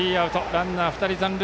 ランナーは２人残塁。